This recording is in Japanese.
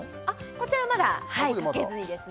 こちらまだかけずにですね